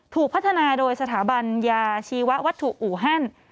ถูกพัฒนาโดยสถาบันยาชีวัตถุอูฮัน